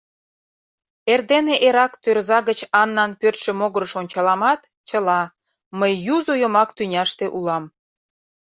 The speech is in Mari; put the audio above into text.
Эрдене эрак тӧрза гыч Аннан пӧртшӧ могырыш ончаламат, чыла — мый юзо йомак тӱняште улам.